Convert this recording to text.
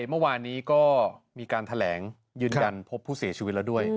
เมื่อวานนี้ก็มีการแถลงยืนยันพบผู้เสียชีวิตแล้วด้วย